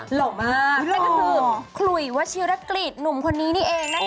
หล่อมากนั่นก็คือขลุยวัชิรกฤษหนุ่มคนนี้นี่เองนะคะ